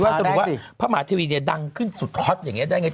ว่าสมมติว่าพระหาทีวีเนี่ยดังขึ้นสุดฮอลดอย่างเงี้ยได้ไง